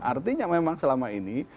artinya memang selama ini